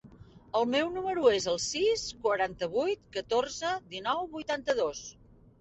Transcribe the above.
El meu número es el sis, quaranta-vuit, catorze, dinou, vuitanta-dos.